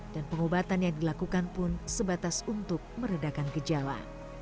dan pengobatan yang dilakukan pun sebatas untuk meredakan gejala